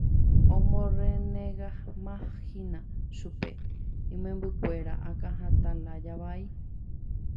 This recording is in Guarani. omorrenegámahina chupe imembykuéra akãhatã lája vai.